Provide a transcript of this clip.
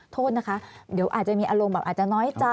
โทษนะคะเดี๋ยวอาจจะมีอารมณ์แบบอาจจะน้อยใจ